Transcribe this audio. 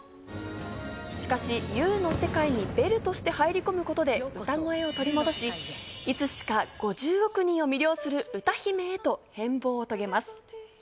しかし、Ｕの世界にベルとして入り込むことで歌声を取り戻し、いつしか５０億人を魅了する歌姫へと変貌します。